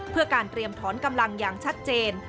เพื่อการเตรียมถอนกำลังอย่างชัดเจน